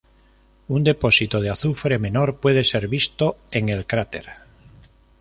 Un depósito de azufre menor puede ser visto en el cráter.